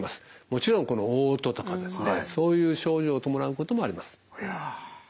もちろんおう吐とかそういう症状を伴うこともあります。